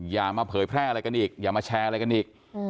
อย่ามาเผยแพร่อะไรกันอีกอย่ามาแชร์อะไรกันอีก